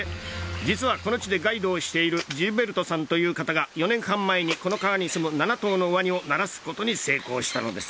実は、この地でガイドをしているジルベルトさんという方が４年半前にこの川にすむ７頭のワニをならすことに成功したのです。